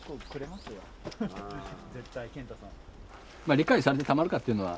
理解されてたまるかっていうのは。